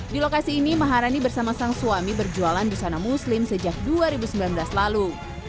di lokasi ini maharani bersama sang suami berjualan busana muslim sejak dua ribu sembilan belas lalu